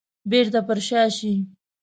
بيرته پر شا شي.